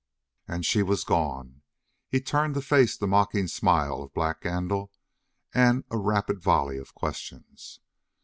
And she was gone. He turned to face the mocking smile of Black Gandil and a rapid volley of questions.